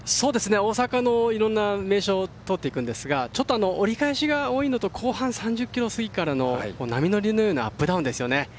大阪のいろんな名所を通っていくんですがちょっと折り返しが多いのと後半３０ｋｍ過ぎからの波乗りのようなアップダウンですよね。